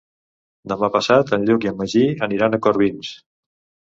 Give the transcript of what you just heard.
Demà passat en Lluc i en Magí aniran a Corbins.